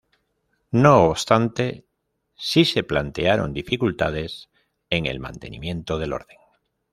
No obstante, sí se plantearon dificultades en el mantenimiento del orden.